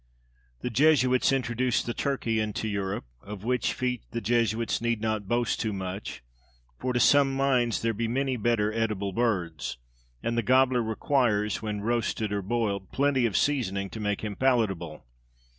The Jesuits introduced the turkey into Europe, of which feat the Jesuits need not boast too much; for to some minds there be many better edible birds; and the "gobbler" requires, when roasted or boiled, plenty of seasoning to make him palatable.